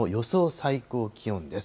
最高気温です。